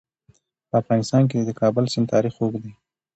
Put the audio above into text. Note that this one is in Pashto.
په افغانستان کې د د کابل سیند تاریخ اوږد دی.